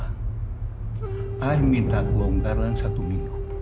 saya minta pelonggaran satu minggu